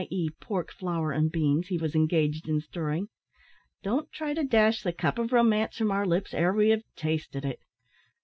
e. pork, flour, and beans), he was engaged in stirring. "Don't try to dash the cup of romance from our lips ere we have tasted it.